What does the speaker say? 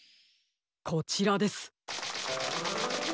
こちらです。